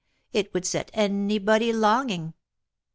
it would set anybody longing.